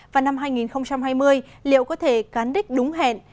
và năm hai nghìn hai mươi liệu có thể cán đích đúng hẹn